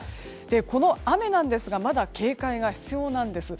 この雨ですがまだ警戒が必要なんです。